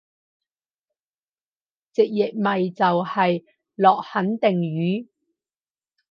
直譯咪就係落肯定雨？